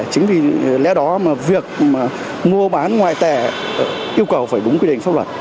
chính vì lẽ đó mà việc mua bán ngoại tệ yêu cầu phải đúng quy định pháp luật